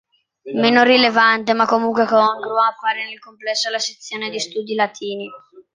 Meno rilevante, ma comunque congrua, appare nel complesso la sezione di studi latini.